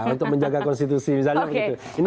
untuk menjaga konstitusi misalnya begitu